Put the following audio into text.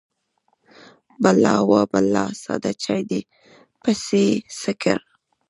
_بلا ، وه بلا! ساده چاې دې پسې څه کړ؟